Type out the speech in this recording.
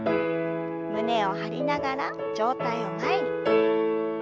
胸を張りながら上体を前に。